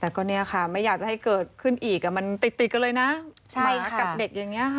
แต่ก็เนี่ยค่ะไม่อยากจะให้เกิดขึ้นอีกมันติดติดกันเลยนะกับเด็กอย่างนี้ค่ะ